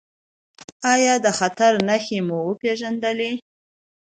ایا د خطر نښې مو وپیژندلې؟